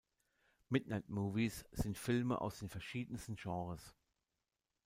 Midnight Movies sind Filme aus den verschiedensten Genres.